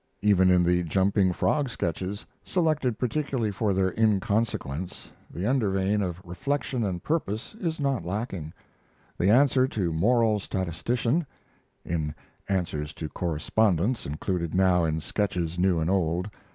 Even in the Jumping Frog sketches, selected particularly for their inconsequence, the under vein of reflection and purpose is not lacking. The answer to Moral Statistician [In "Answers to Correspondents," included now in Sketches New and Old.